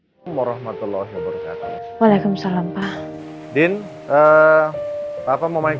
warahmatullah wabarakatuh waalaikumsalam pak din eh apa mau main